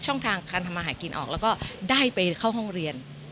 ช่องทางการทำมาหากินออกแล้วก็ได้ไปเข้าห้องเรียน